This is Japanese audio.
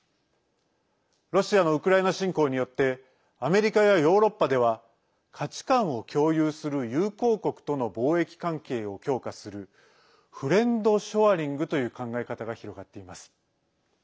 ロシアのウクライナ侵攻によってアメリカやヨーロッパでは価値観を共有する友好国との貿易関係を強化するフレンドショアリングという考え方が広がっています。